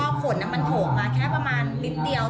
แล้วก็ขนามันถูกมาแค่ประมาณนิดเดียว